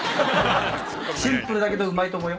シンプルだけどうまいと思うよ。